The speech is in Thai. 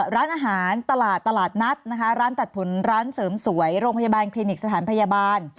ร้านอาหารตลาดตลาดนัดนะคะร้านตัดผลร้านเสริมสวยโรงพยาบาลคลินิกสถานพยาบาล